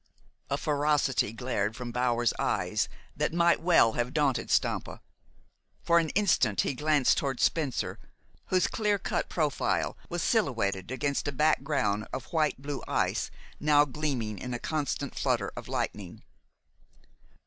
A ferocity glared from Bower's eyes that might well have daunted Stampa. For an instant he glanced toward Spencer, whose clear cut profile was silhouetted against a background of white blue ice now gleaming in a constant flutter of lightning.